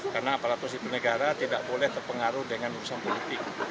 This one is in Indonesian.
karena aparatur sipil negara tidak boleh terpengaruh dengan urusan politik